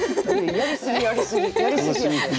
やりすぎやりすぎやて。